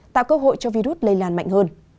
tạo cơ hội cho virus lây lan mạnh hơn